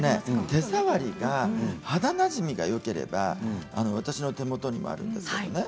手触りが肌なじみがよければ私の手元にもあるんですけどね